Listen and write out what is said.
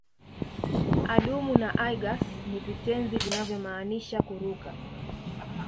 Adumu na aigus ni vitenzi vinavyomaanisha kuruka